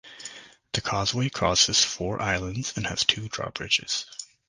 The causeway crosses four islands and has two drawbridges.